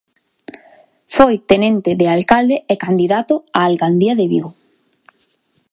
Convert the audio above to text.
Foi Tenente de Alcalde e candidato á alcaldía de Vigo.